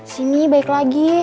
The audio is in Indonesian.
sini baik lagi